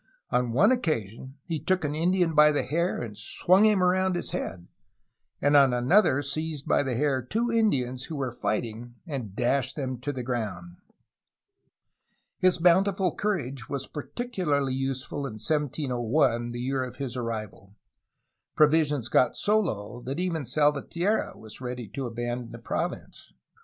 On one occasion he took an Indian by the hair and swung him around his head, and on another seized by the hair two Indians who were fighting and dashed them to the ground. His bountiful courage was particularly useful in 1701, the year of his arrival. Provisions got so low that even Salva tierra was ready to abandon the province.